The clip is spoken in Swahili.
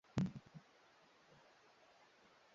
Mbuzi na kondoo huathiriwa na mkojo mwekundu